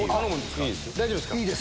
大丈夫ですか。